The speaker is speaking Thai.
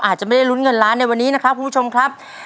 อาจจะไม่ได้ลุ้นเงินล้านในวันนี้นะครับคุณผู้ชมครับ